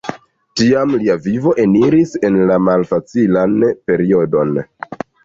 Tiam lia vivo eniris en la malfacilan periodon.